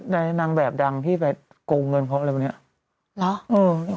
นางแบบดังที่ไปโกวเงินเขาอะไรเป็นเนี่ย